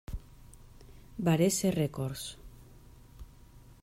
Varese Records.